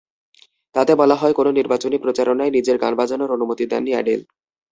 তাতে বলা হয়, কোনো নির্বাচনী প্রচারণায় নিজের গান বাজানোর অনুমতি দেননি অ্যাডেল।